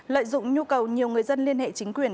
lợi dụng nhu cầu nhiều người dân liên hệ chính quyền